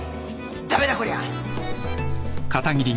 駄目だこりゃ。